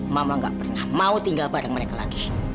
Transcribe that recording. mama gak pernah mau tinggal bareng mereka lagi